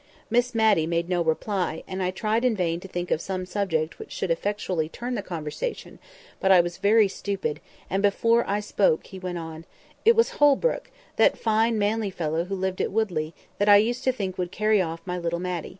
Miss Matty made no reply, and I tried in vain to think of some subject which should effectually turn the conversation; but I was very stupid; and before I spoke he went on— "It was Holbrook, that fine manly fellow who lived at Woodley, that I used to think would carry off my little Matty.